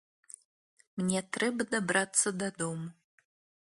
Мне трэба дабрацца дадому!